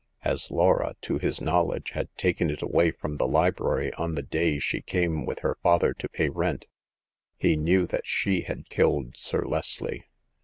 As Laura, to his knowledge, had taken it away from the library on the day she came with her father to pay rent, he knew that she had killed Sir Leslie.